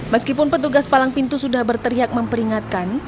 meskipun petugas palang pintu sudah berteriak memperingatkan